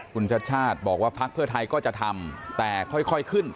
คุณชาติชาติบอกว่าพักเพื่อไทยก็จะทำแต่ค่อยขึ้น